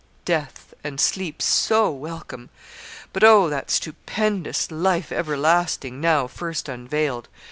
Death, and sleep so welcome! But, oh! that stupendous LIFE EVERLASTING, now first unveiled.